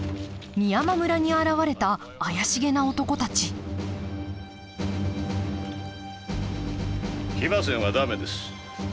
美山村に現れた怪しげな男たち騎馬戦は駄目です。